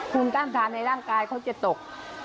ภูมิต้านทานในร่างกายเขาจะตก